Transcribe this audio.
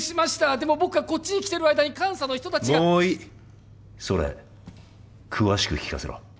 でも僕がこっちに来てる間に監査の人たちがもういいそれ詳しく聞かせろえっ？